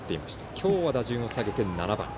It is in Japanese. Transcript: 今日は打順を下げて７番。